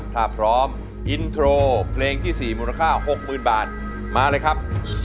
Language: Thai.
ถ้าพร้อมอินโทรเพลงที่๔มูลค่า๖๐๐๐บาทมาเลยครับ